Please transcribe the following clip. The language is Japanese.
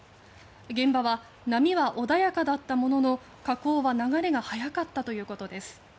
現場は波は穏やかだったものの河口は流れが速かったということです。